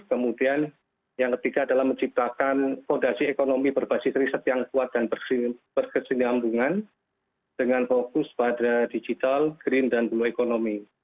kemudian yang ketiga adalah menciptakan fondasi ekonomi berbasis riset yang kuat dan berkesinambungan dengan fokus pada digital green dan blue economy